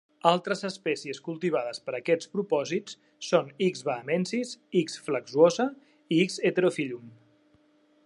Altres espècies cultivades per a aquests propòsits són "X. bahamensis", "X. flexuosa", i "X. heterophyllum".